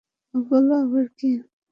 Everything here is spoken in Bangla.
ওগুলো আবার কী?